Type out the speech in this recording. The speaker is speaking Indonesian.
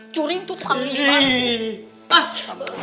juri itu tuh kangen dimana